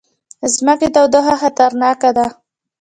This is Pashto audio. د ځمکې تودوخه خطرناکه ده